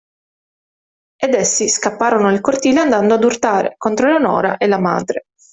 Ed essi scapparono nel cortile, andando ad urtare contro Eleonora e la madre.